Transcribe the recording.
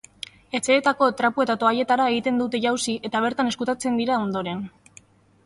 Etxeetako trapu eta toalletara egiten dute jauzi eta bertan ezkutatzen dira ondoren.